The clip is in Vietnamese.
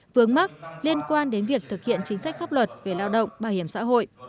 vướng mắt liên quan đến việc thực hiện chính sách pháp luật về lao động bảo hiểm xã hội